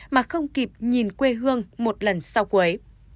mà không kịp nhìn quê hương một lần sau quế